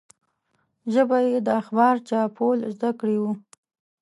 ژبه یې د اخبار چاپول زده کړي وو.